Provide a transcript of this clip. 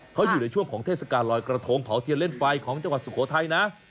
เขาอยู่ในช่วงของเทศกาลลอยกระทงเผาเทียนเล่นไฟของจังหวัดสุโขทัยนะ